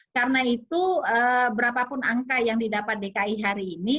karena itu berapapun angka yang didapat dki hari ini